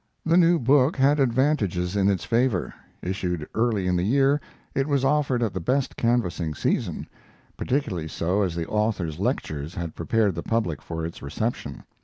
The new book had advantages in its favor. Issued early in the year, it was offered at the best canvassing season; particularly so, as the author's lectures had prepared the public for its reception.